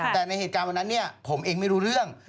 แต่ในเหตุการณ์วันนั้นเนี่ยผมเองไม่รู้เรื่อง